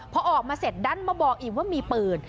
พอออกมาเสร็จดันมาบอกอีกว่ามีปืน